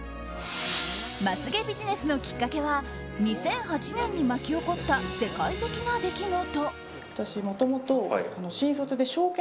まつ毛ビジネスのきっかけは２００８年に巻き起こった世界的な出来事。